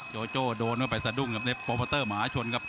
โจโจโดนเข้าไปสะดุ้งครับโปรเภอร์เตอร์มหาชนครับ